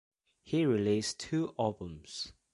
He released two albums.